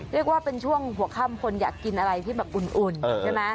เรียกว่าเป็นช่วงหัวค่ำคนอยากกินอะไรที่แบบอุ่นใช่ไหม